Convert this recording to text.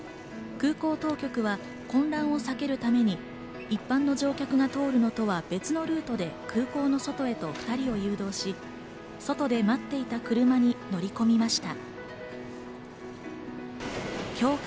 空港当局は混乱を避けるために一般の乗客が通るのとは別とルートで空港の外へと２人を誘導し、外で待っていた車に乗り込みました。